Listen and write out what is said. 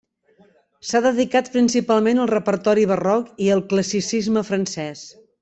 S'ha dedicat principalment al repertori barroc i al classicisme francès.